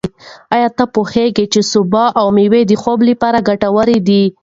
ایا ته پوهېږې چې سبو او مېوې د خوب لپاره ګټور دي؟